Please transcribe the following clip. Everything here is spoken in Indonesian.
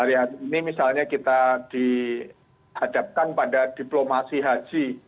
ini misalnya kita dihadapkan pada diplomasi haji